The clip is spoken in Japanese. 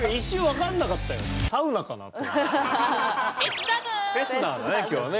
フェスなんだね今日ね。